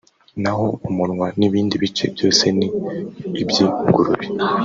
naho umunwa n’ibindi bice byose ni iby’ingurube